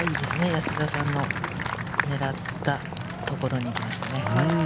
安田さんの狙ったところに行きましたね。